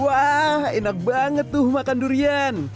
wah enak banget tuh makan durian